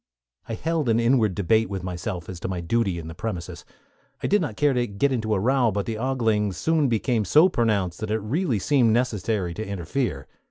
I held an inward debate with myself as to my duty in the premises. I did not care to get into a row; but the ogling soon became so pronounced that it really seemed necessary to interfere.